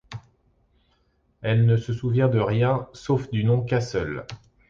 Elle ne souvient de rien, sauf du nom Castle.